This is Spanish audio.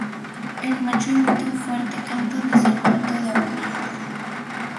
El macho emite un fuerte canto desde lo alto de un árbol.